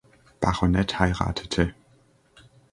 Baronet heiratete.